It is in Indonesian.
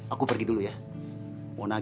aku pergi dulu ya